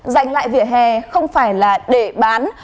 dành lại vỉa hè không phải là để bán